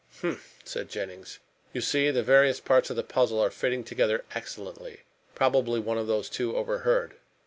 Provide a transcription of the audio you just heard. "Humph!" said Jennings, "you see the various parts of the puzzle are fitting together excellently. Probably one of those two overheard."